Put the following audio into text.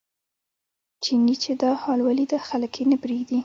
چیني چې دا حال ولیده خلک یې نه پرېږدي.